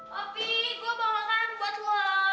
opi saya mau makan buat lo